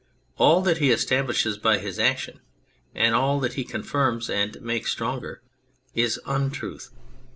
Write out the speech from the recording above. All that he establishes by his action, and all that he confirms and makes stronger, is Untruth.